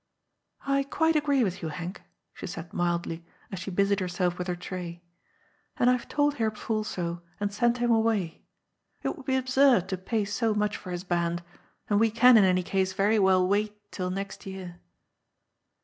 " I quite agree with you, Henk," she said mildly, as she busied herself with her tray, " and I have told Herr Pf uhl so and sent him away. It would be absurd to pay so much for his band, and we can, in any case, very well wait till next year."